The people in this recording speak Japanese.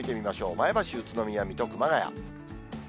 前橋、宇都宮、水戸、熊谷。